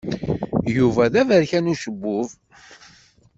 Yuba d aberkan ucebbub.